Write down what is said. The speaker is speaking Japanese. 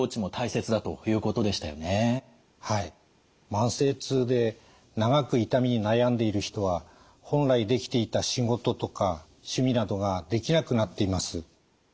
慢性痛で長く痛みに悩んでいる人は本来できていた仕事とか趣味などができなくなっています。